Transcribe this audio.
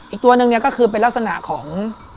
อีกตัวหนึ่งเนี่ยก็คือเป็นลักษณะของ